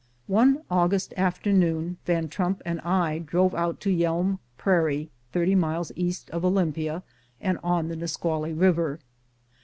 One August afternoon. Van Trump and I drove out to Yelm rrairie, thirty miles east ot Olympia, and on the Nisqually River.